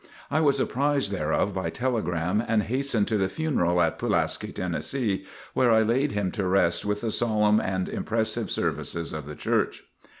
I was apprised thereof by telegram and hastened to the funeral at Pulaski, Tennessee, where I laid him to rest with the solemn and impressive services of the Church.